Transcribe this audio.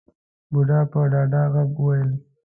بوډا په ډاډه غږ وويل.